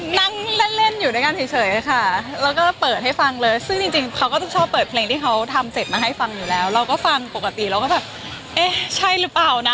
นั่งเล่นเล่นอยู่ด้วยกันเฉยค่ะแล้วก็เปิดให้ฟังเลยซึ่งจริงเขาก็จะชอบเปิดเพลงที่เขาทำเสร็จมาให้ฟังอยู่แล้วเราก็ฟังปกติเราก็แบบเอ๊ะใช่หรือเปล่านะ